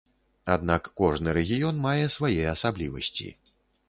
Аднак кожны рэгіён мае свае асаблівасці.